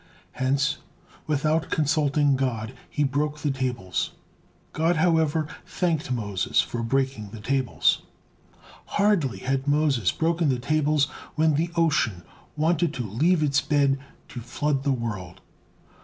Hence, without consulting God, he broke the tables. God, however, thanked Moses for breaking the tables. Hardly had Moses broken the tables, when the ocean wanted to leave its bed to flood the world.